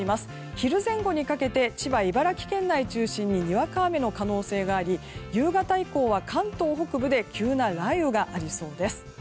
昼前後にかけて千葉、茨城県内中心ににわか雨の可能性があり夕方以降は関東北部で急な雷雨がありそうです。